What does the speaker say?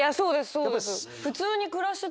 そうです。